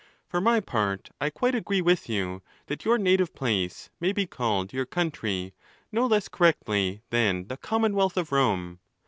For my part, I quite agree with you, that your native place may be called your country, no less correctly than the commonwealth of Rome.